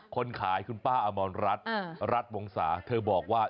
คนขายคุณป้าอมรรัฐรัฐวงศาเธอบอกว่า